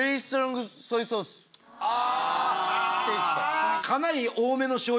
あ！